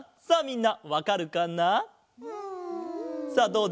さあみんなわかるかな？